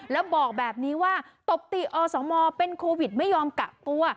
แล้วบอกแบบนี้ว่าตบตีอสมเป็นโควิดไม่ยอมกักตัว